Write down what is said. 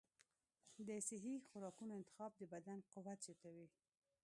د صحي خوراکونو انتخاب د بدن قوت زیاتوي.